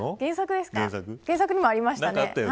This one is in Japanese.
原作にもありましたね。